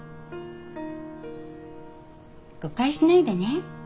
誤解しないでね。